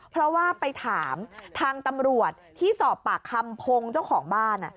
เพราะว่าไปถามทางตำรวจที่สอบปากคำพงศ์เจ้าของบ้าน